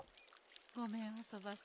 ごめんあそばせ。